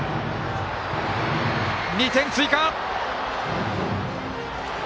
２点追加！